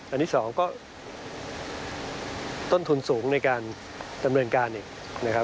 อันนี้สองก็ต้นทุนสูงในการดำเนินการอีกนะครับ